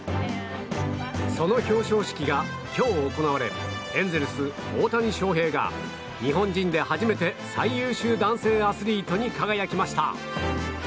その表彰式が今日、行われエンゼルス、大谷翔平が日本人で初めて最優秀男性アスリートに輝きました。